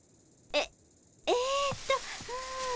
えっえっと。